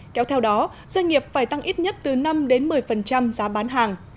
kéo theo đó doanh nghiệp phải tăng ít nhất từ năm một mươi giá bán hàng